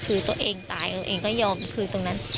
คือตัวเองตายเอาเองก็ยอมคืนตรงนั้น